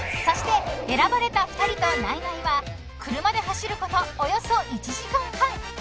［そして選ばれた２人とナイナイは車で走ることおよそ１時間半］